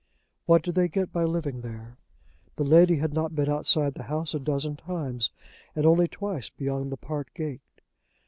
What did they get by living there? The lady had not been outside the house a dozen times, and only twice beyond the park gate.